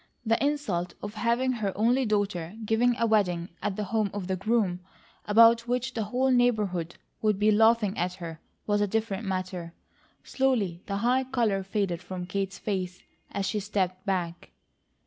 The insult of having her only daughter given a wedding at the home of the groom, about which the whole neighbourhood would be laughing at her, was a different matter. Slowly the high colour faded from Kate's face, as she stepped back.